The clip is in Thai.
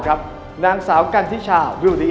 ๓๓๐ครับนางสาวปริชาธิบุญยืน